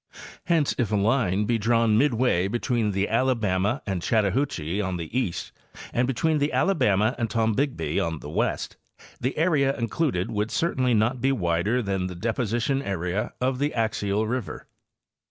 Hence if a line be drawn midway between the Alabama and Chattahooche on the east and between the Alabama and Tombigbee on the west the area included would certainly not be wider than the deposition area of the axial river.